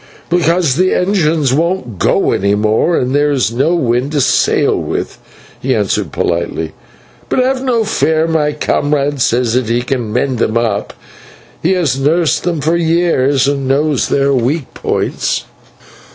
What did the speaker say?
"Because the engines won't go any more, and there is no wind to sail with," he answered politely. "But have no fear, my comrade says that he can mend them up. He has nursed them for years and knows their weak points."